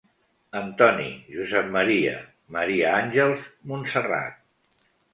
Antoni, Josep Maria, Maria Àngels, Montserrat.